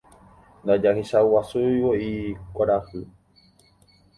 Ndajahechaguasúivoi kuarahy.